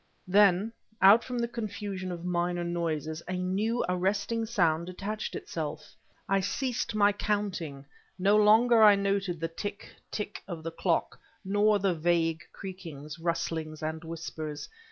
Then, out from the confusion of minor noises, a new, arresting sound detached itself. I ceased my counting; no longer I noted the tick tick of the clock, nor the vague creakings, rustlings and whispers.